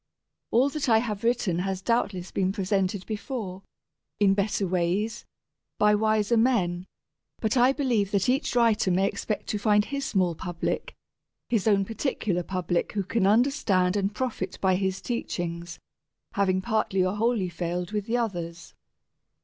All that I have written has doubtless been presented before, in better ways, by wiser men, but I believe that each writer may expect to find his small public, his own particular public who can understand and profit by his teachings, having partly or wholly failed with the others.